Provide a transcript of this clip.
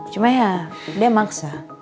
cuma ya dia maksa